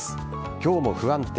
今日も不安定。